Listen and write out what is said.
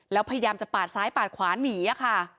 แล้วพยายามจะปาดซ้ายปาดขวาหนีค่ะ